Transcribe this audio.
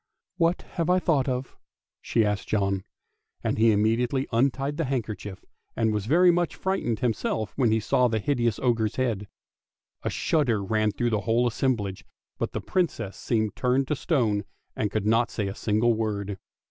" What have I thought of ?" she asked John; and he im mediately untied the handkerchief, and was very much frightened himself when he saw the hideous ogre's head. A shudder ran through the whole assemblage, but the Princess seemed turned to stone, and could not say a single word.